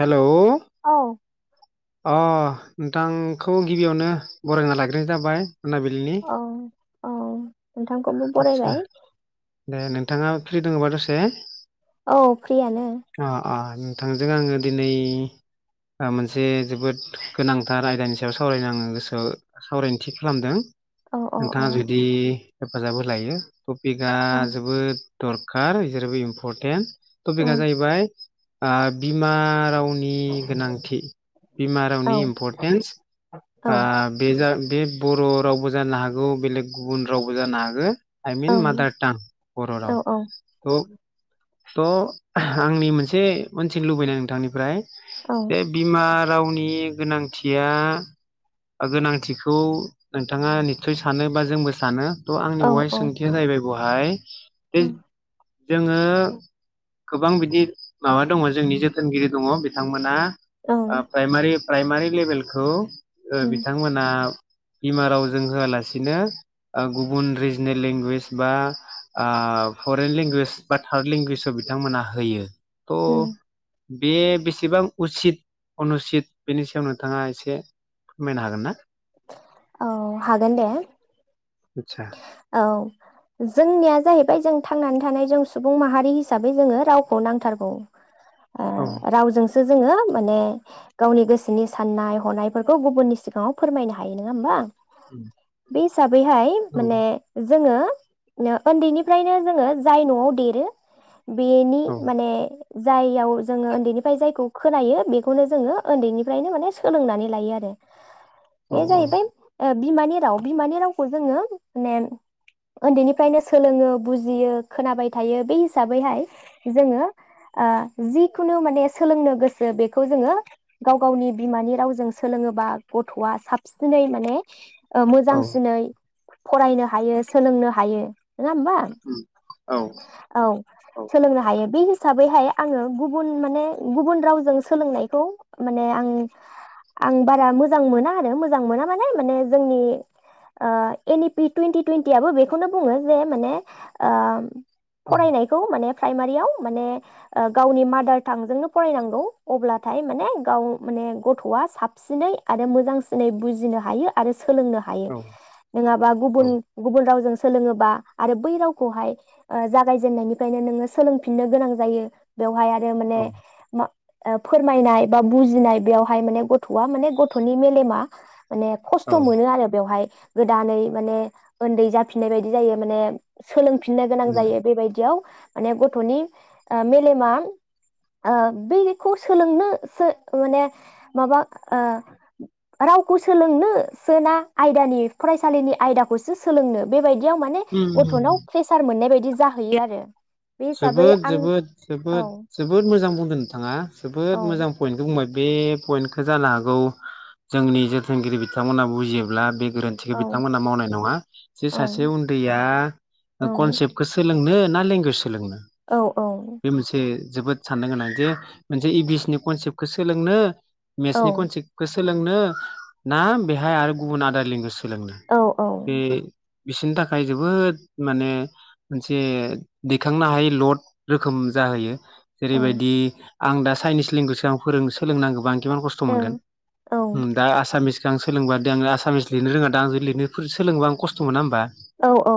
Hello. औ। अ नोंथांखौ गिबियावनो बरायना लाग्रोनाय जाबाय मोनाबिलिनि। औ औ नोंथांखौबो आदसा बरायबाय। दे नोंथाङा फ्रि दोङोबा दसे औ। फ्रियानो अ अ। नोंथांजों आङो दिनै ओ मोनसे जोबोद गोनांथार आयदानि सायाव सावरायनो आङो गोसोआव सावरायनो थि खालामदों। औ औ औ नोंथाङा जुदि हेफाजाब होलायो। टपिकआ औ जोबोद दरखार जेरैबो इम्परटेन्ट। औ टपिकआ जाहै बाय ओ बिमा राव नि गोनांथि बिमा औ रावनि इम्परटेन्स औ ओ बे जा बे बर' रावबो जानो हागौ बेलेग गुबुन रावबो जानो हागो आइ औ मिन मादारटां बर' राव। औ थ' थ' आंनि मोनसे मोन्थिनो लुबैनाय नोंथांनिफ्राय औ ए बिमार रावनि गोनांथिया गोनांथिखौ नोंथाङा निस्सय सानो बा जोंबो सानो त' आंनि औ बहाय औ सोंथिया जाहैबाय दहाय दे जोङो गोबां बिदि माबा दङ जोंनि जोथोनगिरि दङ बिथांमोना ओ प्राइमारि प्राइमारि लेभेलखौ ओ उम बिथांमोना बिमा रावजों होआलासिनो गुबुन रिजनेल लेंगुवेज बा फरेन लेंगुवेज बा थार्ड लेंगुवेजाव बिथ बिथांमोना होयो उम त' बे बेसेबां उसित अनुसित बेनि सायाव नोंथाङा एसे फोरमायनो हागोन ना? औ हागोन दे आतसा औ जोंनिया जाहैबाय जों थांनानै थानाय जों सुबुं माहारि हिसाबै जोङो रावखौ नांथारगौ ओ औ रावजोंसो जोङो माने गावनि गोसोनि साननाय हनायफोरखौ गुबुननि सिगाङाव फोरमायनो हायो नङा होमबा नंगौ बे हिसाबैहाय माने जोङो उन्दैनिफ्रायनो जोङो जाय न'आव देरो बेनि औ माने जाययाव जोङो उन्दैनिफ्राय जायखौ खोनायो बेखौनो जोङो उन्दैनिफ्रायनो माने सोलोंनानै लायो आरो औ बे जाहैबाय बिमानि राव बिमानि रावखौ जोङो। माने उन्दैनिफ्रायनो सोलोङो बुजियो खोनाबाय थायो बे हिसाबैहाय जोङो ओ जिखुनु माने सोलोंनो गोसो बेखौ जोङो गाव गावनि बिमानि रावजों सोलोङोबा गथ'आ साबसिनै माने ओ औ मोजांसिनै फरायनो हायो सोलोंनो हायो नङा होमबा औ औ औ सोलोंनो हायो बे हिसाबैहाय आङो गुबुन माने गुबुन रावजों सोलोंनायखौ माने आं आं बारा मोजां मोना आरो मोजां मोना माने माने जोंनि ओ एन इ पि टुइन्टि टुइन्टियाबो बेखौनो बुङो जे माने ओ फरायनायखौ माने प्राइमारियाव माने ओ गावनि मादार टांजोंनो फरायनांगौ अब्लाथाय माने गाव माने गथ'आ साबसिनै आरो मोजांसिनै बुजिनो हायो आरो सोलोंनो हायो। औ नंङाबा गुबन गुबन रावजों सोलोङोबा आरो बै रावखौहाय ओ जागायजेननायनिफ्रायनो नोङो सोलोंफिननो गोनां जायो बेवहाय आ यो माने मा ओ फोरमायनाय बा बुजिनाय बेवहाय माने गथ'आ माने गथ'नि मेलेमा माने औ खस्थ' मोनो आरो बेवहाय। गोदानै माने ओन्दै जाफिननाय बायदि जायो माने सोलों फिननो गोनां जायो बेबायदियाव माने गथ'नि ओ मेलेमा ओ बैखौ सोलोंनोसो माने माबा ओ रावखौ सोलोंनो सोना आयदानि फरायसालिनि आयदाखौसो सोलोंनो बेबायदि याव माने औ गथ'नाव प्रेसार मोननाय बायदि बिदि जाहैयो आरो। बे हिसाबै जोबोद आं जोबोद जोबोद औ जोबोद मोजां बुंदों नोंथाङा जोबोद औ मोजां पइेन्टखौ बुंबाय बे पइन्टखो जानो हागौ जोंनि जोथोनगिरि बिथांमोना बुजियोब्ला बे गोरोन्थिखौ औ बिथांमोना मावनाय नङा जे सासे औ उन्दैया औ कनसेप्टखौ सोलोंनो ना लेंगुवेज सोलोंनो औ औ बे मोनसे जोबोद साननो गोनां जे मोनसे ए बि सि नि कनसेप्ट खो सोलों नों मेटस नि कनसेभखो सोलोंनो ना बेहाय आरो गुबुन आदार लेंगुवेज औ [unintelligible] बे बिसोरनि थाखाय जोबोद माने मोनसे दैखांनो हायै लड रोखोम जाहैयो। जेरैबायदि आं दा चाइनिस लेंगुवेज आव फोरों सोलों नांगौबा आं इमान कस्त' मोनगोन उम दा आसामिस दा आं सोलोंबा दा आङो आसामिस लिरनो रोङा दा आं जुदि लिरनोफोर सोलोङोबा आं कस्त'मोना होंनबा? औ औ।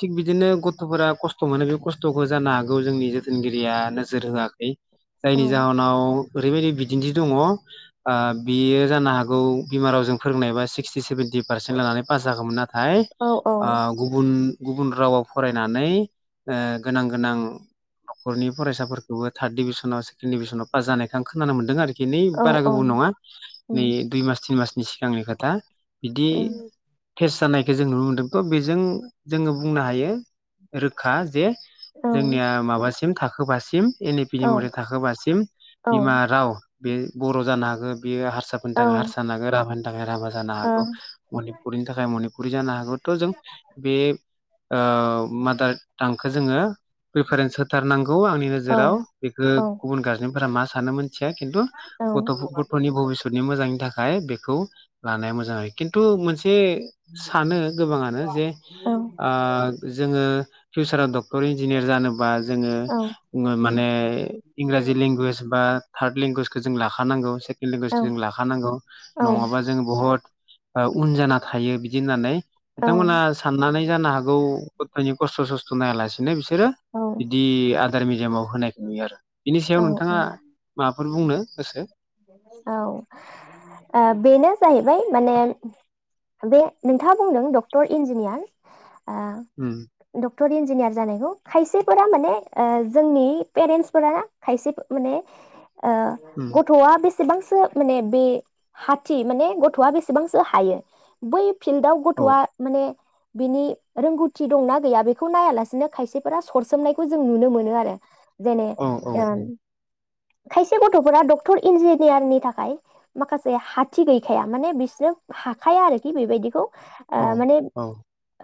थिग बिदिनो गथ'फोरा खस्थ' कस्त' मोनो बे कस्त'खौ जानो हागौ जोंनि जोथोनगिरिआ नोजोर होआखै। जायनि ओं जाउनाव ओरैबायदि बिदिन्थि दङ'आ ओ बियो जानो हागौ बिमा रावजों फोरोंनायबा सिक्सटि सेभेन्टि पारसेन्ट लानानै पास जागौमोन आरो। थाय आ गुबुन गुबुन रावाव फरायनानै ओ गोनां गोनां न'खरनि फरायसाफोरखौबो थार्ड डिभिसनाव सेकेणड डिभिसनाव पास जानायखौ आं खोनानो मोनदों आरो खि औ बारा गोबाव नङा नै उम दुइ मास तिन मासनि सिगांनि खोथा बिदि उम टेस्ट जानायखौ जों नुनो मोन्दों बा बेजों जों बुंनो हाथों रो खा जे ओं जोंनिया माबासिम नों थाखोबासिम [unintelligible] नि औ उनाव थाखो बा सिम औ बिमख राव बे बर' जानो हागो बेयो हारसाफोरनि ओ औ थाखाय हारसा ना गोरामोन [unintelligible] जानो हागौ मनिफुरनि जाकर मनिफु फुरि जानो हागौ थ' जों बे ओ माद्राद खौ जोङो रिपारेन्स होथारनांगौ आंनि औ नोजोराव बेखौ औ गुबुन गारजेनफोरा मा सानो मोनथिया खिन्थु औ गथ' गथ'नि भबितनि मोजांनि थाखाय बे खौ लानाया मोजां आरो किन्थु मोनसे एसे सानो गोबाङानो जे ओ जोङो रा डक्टर इन्जिनियार जानोबा जोङो माने इंराजि लेंगुवेज बा थार्द लेंगुवेजखौ जों लाखानांगौ लेंगुवेजखौ जों लाखानांगौ नङाबा जों बहाबा ओ उन जाना थायो बिदि होननानै बिथांमोना साननानै जानो हागौ गथ'नि खस्थ' सस्थ' होआ लासिनो बिसोरो औ बिदि आदार बिजाबाव होनायखौ नुयो आरो बिनि सायाव औ नोंथाङा औ मा बाबेफोर बुंनो गोसो? औ ओ बेनो जाहैबाय माने बे नोंथाङा बुंदों डक्टर इन्जिनियार ओम टर इन्जिनियार जानायखौ खायसेफोरा माने ओ जोंनि पेरेन्टसफोरा खायसे माने ओ उम ग बेसेबांसो माने बे हाथि माने गथ'आ बेसेबांसो हायो बै। फिल्डआव औ गथ'आ माने। बिनि रोंगौथि दंना गैया बेखौ नायालासिनो खायसेफोरा सरसोमनायखौ जों नुनो मोनो आरो। जेने औ औ ओम। खायसे गथ'फोरा। टर इन्जिनियारनि थाखाय माखासे हाथि गैखाया माने बिसोरो हाखाया आरोखि बेबायदिखौ। ओ औ माने औ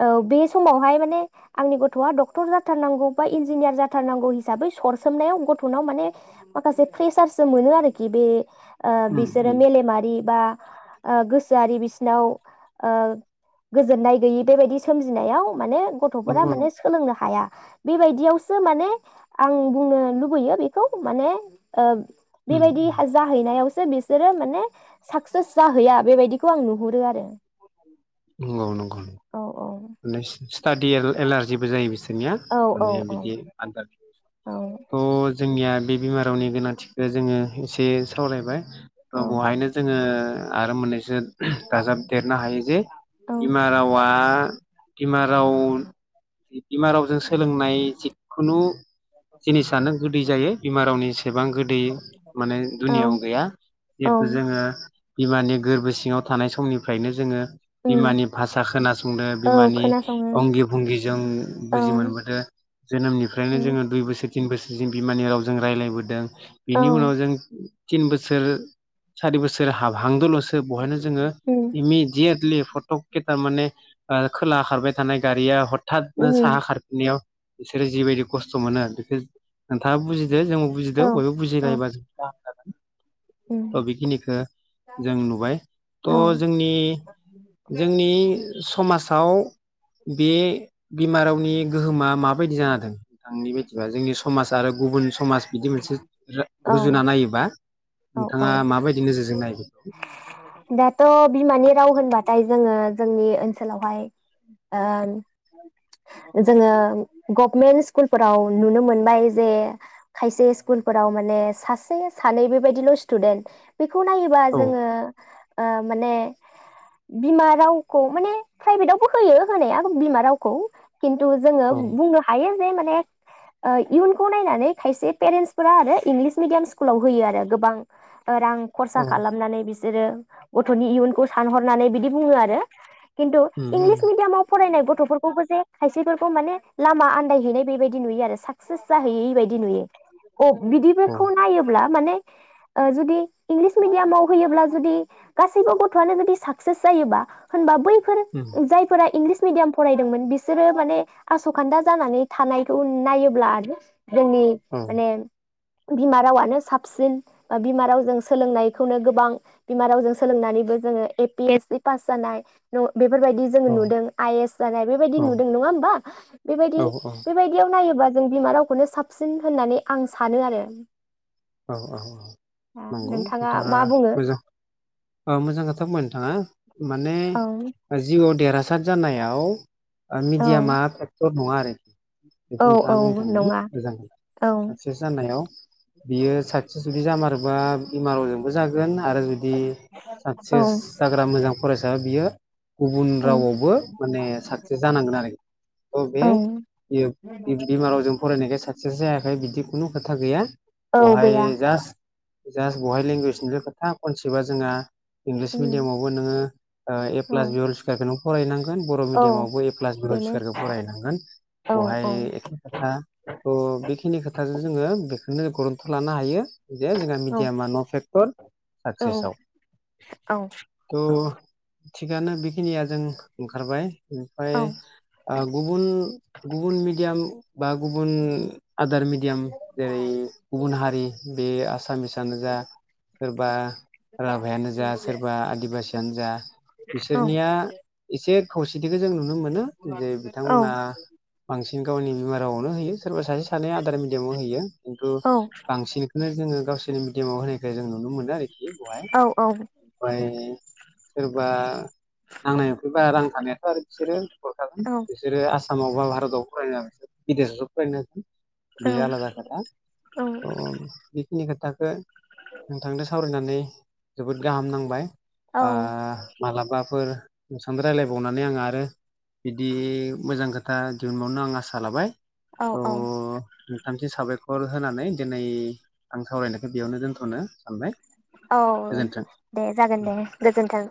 औ। बे समावहाय माने आंनि गथ'आ डक्टर जाथारनांगौ बा इन्जिनियार जाथारनांगौ हिसाबै सरसोमनायाव गथ'नाव माने माखासे प्रेसारसो मोनो आरो। [unintelligible] ओ उम बिसोरो उम मेलेमारि बा। ओ गोसोआरि बिसिनाव ओ गोजोननाय गैयि बेबायदि सोमजिनायाव माने। गथ'फोरा नंगौ नंगौ माने सोलोंनो हाया। बेबायदियावसो माने आं बुंनो लुबैयो बेखौ माने ओ उम उम। हैैनायावसो बिसोरो माने साक्सेस जाहैया बेबायदिखौ आं नुहुरो आरो। गावनो गावनो। औ औ [unintelligible] स्टादि एला-एलारजिबो जायो बिसोर। औ [unintelligible] औ औ बे बिमा रावनि गोनांथिखौ जोङो एसे सावरायबाय। औ बेवहायनो जोङो। आरो मोनैसो। दाजाब देरनो हायो जे बिमा रावा। बिमा राव बिमा रावजों सोलोंनाय जिखुनु। जिनिसानो गोदै जायो बिमा रावनि एसेबां गोदै माने औ दुनिआव गैया औ जिहेथु जोङो। बिमानि गोरबो सिङाव थानाय समनिफ्रायनो जोङो। उम बिमानि भासा खोनासंदों। औ बिमानि खोनासङो अंगि भंगि जों औ बुजि मोनबोदों जोनोमनिफ्रायनो औ जोङो दुइ बोसोर। तिन बोसोरसिम बिमानि रावजों रायलायबोदों। औ बेनि उनाव जों तिन बोसोर सारि बोसोर हाबहां दों लसो। सो बहायनो जोङो उम इमिदियेटलि फटक खेटा माने। ओ खोला खारबाय थानाय गारिया हथ थादनो साहा उम खारफिनायाव बिसोरो जिबायदि खस्थ मोनो बेखौ नोंथाङा बुजि जे जोंबो औ बुजिदों बयबो बुजिलायोबा [unintelligible] [unintelligible] थ उम बेखिनिखौ जों नुबाय थ औ जोंनि जोंनि समाजाव बे बिमा रावनि गोहोमा माबायदि जाना दं नोंथांनि बायदिबा जोंनि समाज आरो गुबुन समाज बिदि मोनसे औ रुजुना नायोबा औ नोंथाङा औ माबायदि नोजोर जों नायो दाथ' बिमानि राव होनबाथाय जोंयो जोंनि ओनसोलावहाइ ओ जोंङो गबमेनथ सिखुलफोराव नुनो मोनाय जोंङो खायसे सिखुलफोरावहाइ सांसे सानै सिथुदेन्थ बेखौ नायङोबा औ जोंङो ओ माने बिमा रावखौ माने प्राइभेटावबो होयो होनाया बिमा रावखौ खिन्थु जोंङो औ बुंनो हायो जे माने ओ इयुनखौ नायनानै खायसे पेरेन्टसफोरा आरो इंलिस मिडियाम स्कुलाव होयो आरो गोबां रां औ खरसा खालाम [unintelligible] बिसोरो गथनि इयुनखौ सानहरनानै बिदि बुंङो आरो खिन्थु उम उम इंलिस मिडिमाव फरायनाय गथ गथफोरखौबो जे खायसेफोरखौ माने लामा आन्दायहैनाय बेबायदि नुयो आरो साक्सेस जाहैयै बायदि नुयो अ औ बिदिफोरखौ नायोब्ला माने ओ जुदि इंलिस मिडियामाव हैयोब्ला गासैबो गद्यांशों जुदि सागसेस जायोब्ला होनबा बै फोर उम जायफोरा इंलिस इंलिस मिडियाम फरायदोंमोन बिसोरो माने आसखान्दा जानानै थानायखौ नायोब्ला आरो जोंनि औ माने बिमा रावानो साबसिन बा बिमा रावजों सोलोंनायखौनो गो गोबां बिमा रावजों सोलोंनानैबो जोंङो A P S C pass जानाय बेफोरबायदि जोंङो औ नुदों आइ एस जानाय बेबायदि नुदों नंङा होनबा बेबायदि औ बेबायदियाव नायोबा जों बिमा रावखौनो साबसिन होननानै आं सानो आरो औ औ नंगौ नोंथाङा नोंथांङा मा बुङो मोजां ओ खोथा बुंबाय नोंथांङा [inaudible] माने औ जिवा देरहासार जानायाव ओ औ मिडियामआ भेगतर नङा आरो [inaudible] बेखौ औ नोंथांङा बुंनो औ थांगोन नङा मोजां औ साक्सेस जानायाव बियो साक्सेस जुदि जामारो ओ बिमारावजोंबो जागोन आरो जुदि दि औ साक्सेस जाग्रा मोजां फरायसा बियो गुबुन औ रावावबो माने साक्सेस जानांगोन आरोखि थ औ बे बिमा रावजों फरायनायखाय सा बि जायाखै बिदि खुनु खोथा गैया। औ गैया बहाय जास जास्ट बहाय लेंगुवेजनिल' खोथा खनसेबा जोंहा इंलिस उम मिडियामावबो नोङो ए औ प्लास बि हल सुखियारखोनो फरायनां गोन बर' औ मिदियाम आवबो ए प्लास बि हल बेनो सुखियारखौ फरायनांगोन औ बहाय औ एखे खोथा थ बेखिनि खोथाजो जोङो बे नो लानो हायो। बिदिया जोंना औ मिडियामा न' फेक्टर औ साक्सेसआव औ थ'। थिगानो बेखिनिया जों ओंखारबाय। ओमफ्राय आ गुबुन गुबुन मेडियाम बा गुबुन आदार मिडियाम जेरै गुबुन हारि बे आसामिसानो जा सोरबा राभायानो जा सोरबा आदिबासियानो जा औ बिसोरनिया एसे बे खौसे थिखो जों नुनो मोनो जे औ बिथांमोना बांसिन गावनि बिमा रावावनो होयो सोरबा सासे सानै आदार मिडियामाव होयो। औ बांसिनखौनो जोङो गावसो नि मिडयामाव होनायखो जों नुनो मोनो। आरोखि बहाय औ औ ओमफ्राय सोरबा नांनायनि बारा रां थानायाथ' आरो। बिसोरो हरखागोन औ बिसोरो आ [inaudible] औ बे आलादा ना। औ अ बेखिनि खोथाखो नोंथांजो सा। सावरायनानै जोबोद गाहाम नांबाय। आ औ मालाबा। फोर रायलायबावनानै आं आरो बिदि मोजां खोथा दिहुनबावनो आं आसा लाबाय। औ अ औ नोंथां साबाय होनानै दोनै आं सावरायनायखो बेयावनो दोनथ'नो सानबाय। औ गोजोन्थों दे जागोन दे गोजोन्थों।